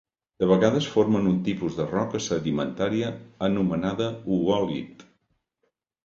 De vegades formen un tipus de roca sedimentària anomenada oòlit.